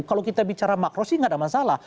kalau kita bicara makro sih nggak ada masalah